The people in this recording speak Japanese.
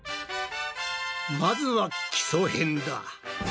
まずは基礎編だ！